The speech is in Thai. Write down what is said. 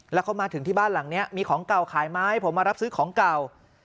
แล้วเขามาถึงที่บ้านหลังนี้มีของเก่าขายไหมผมมารับซื้อของเก่า